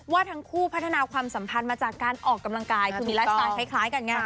ว่าทั้งคู่พัฒนาความสัมพันธ์มาจากการออกกำลังกาย